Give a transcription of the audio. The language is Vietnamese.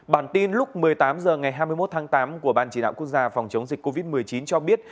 bản tin lúc một mươi tám h ngày hai mươi một tháng tám của ban chỉ đạo quốc gia phòng chống dịch covid một mươi chín cho biết